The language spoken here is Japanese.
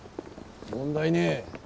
問題ねぇ！